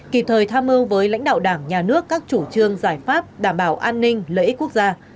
kịp thời tham mưu với lãnh đạo đảng nhà nước các chủ trương giải pháp đảm bảo an ninh lợi ích quốc gia